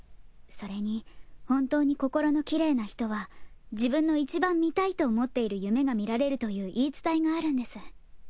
それに本当に心のきれいな人は自分のいちばん見たいと思っている夢が見られるという言い伝えがあるんです。